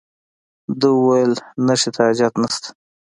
ده وویل نخښې ته حاجت نشته.